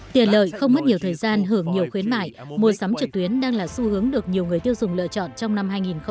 tiền lợi không mất nhiều thời gian hưởng nhiều khuyến mại mua sắm trực tuyến đang là xu hướng được nhiều người tiêu dùng lựa chọn trong năm hai nghìn hai mươi